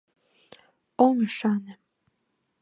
Ом ӱшане!